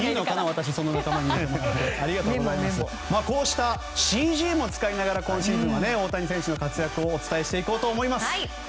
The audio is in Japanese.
こうしたＣＧも使いながら今シーズンは大谷選手の活躍をお伝えしていこうと思います。